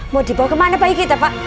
mau dibawa kemana bayi kita pak